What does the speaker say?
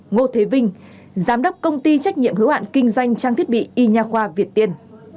ngô thế vinh giám đốc công ty trách nhiệm hữu hạn kinh doanh trang thiết bị y nhà khoa việt tiên